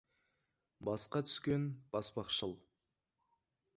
Басқа түскен — басбақшыл.